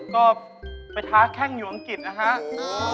ก็ไปท้าแข้งอยู่อังกฤษนะฮะ